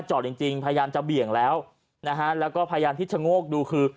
จอดจริงจริงพยายามจะเบี่ยงแล้วนะฮะแล้วก็พยายามที่ชะโงกดูคือ